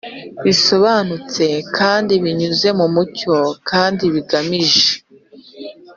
Bisobanutse kandi binyuze mu mucyo kandi bigamije